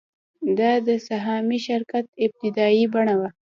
دا د سهامي شرکت ابتدايي بڼه وه